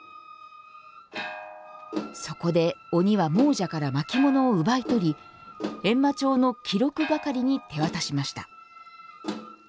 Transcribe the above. そこで、鬼は亡者から巻物を奪い取りえんま庁の記録係に手渡しました。